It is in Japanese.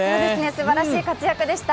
すばらしい活躍でした。